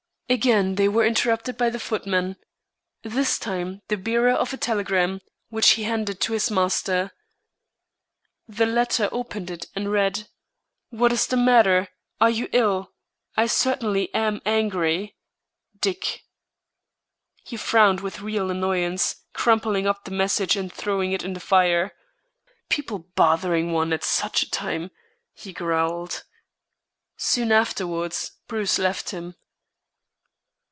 Again they were interrupted by the footman, this time the bearer of a telegram, which he handed to his master. The latter opened it and read: "What is the matter? Are you ill? I certainly am angry. DICK." He frowned with real annoyance, crumpling up the message and throwing it in the fire. "People bothering one at such a time," he growled. Soon afterwards Bruce left him.